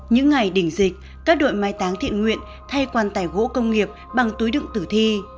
những ngày đỉnh dịch các đội máy táng thiện nguyện thay quan tải gỗ công nghiệp bằng túi đựng tử thi